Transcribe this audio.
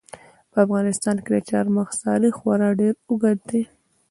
په افغانستان کې د چار مغز تاریخ خورا ډېر اوږد دی.